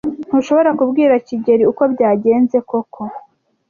Ntushobora kubwira kigeli uko byagenze koko.